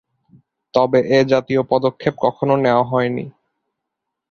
তবে এ জাতীয় পদক্ষেপ কখনো নেওয়া হয়নি।